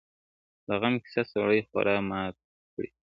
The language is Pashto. د غم قصه سړی خورا مات کړي-